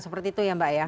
seperti itu ya mbak ya